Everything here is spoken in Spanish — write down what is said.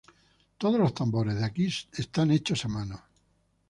Todos los tambores de aquí son hechos a mano.